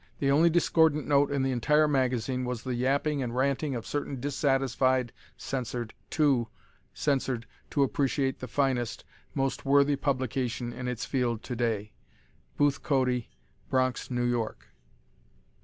The only discordant note in the entire magazine was the yapping and ranting of certain dissatisfied [censored] too [censored] to appreciate the finest, most worthy publication in its field to day. Booth Cody, Bronx, New York.